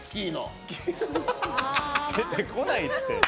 出てこないって。